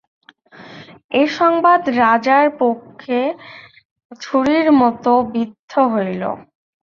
এ সংবাদ রাজার বক্ষে ছুরির মতো বিদ্ধ হইল।